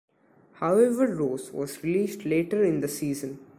However Rose was released later in the season.